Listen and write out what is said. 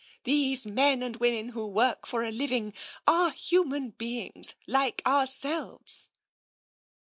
These men and women who work for a living are human beings like ourselves